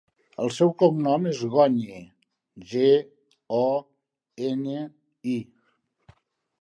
El seu cognom és Goñi: ge, o, enya, i.